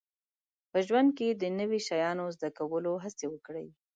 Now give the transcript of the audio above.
په ژوند کې د نوي شیانو زده کولو هڅې وکړئ